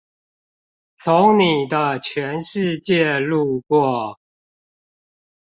從你的全世界路過